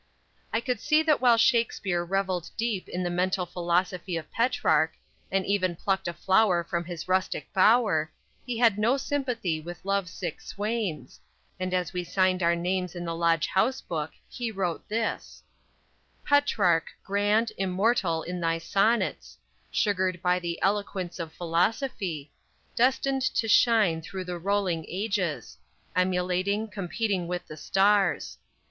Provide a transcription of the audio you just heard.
I could see that while Shakspere reveled deep in the mental philosophy of Petrarch, and even plucked a flower from his rustic bower, he had no sympathy with lovesick swains, and as we signed our names in the Lodge House book, he wrote this: _Petrarch, grand, immortal in thy sonnets; Sugared by the eloquence of philosophy Destined to shine through the rolling ages; Emulating, competing with the stars.